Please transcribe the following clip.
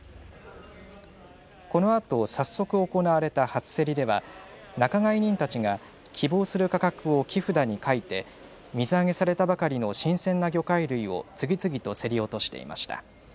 このあと早速行われた初競りでは仲買人たちが希望する価格を木札に書いて水揚げされたばかりの新鮮な魚介類を次々と競り落としていました。